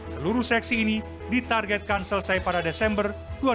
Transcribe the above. seluruh seksi ini ditargetkan selesai pada desember dua ribu dua puluh